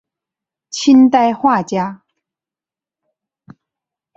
清代画家。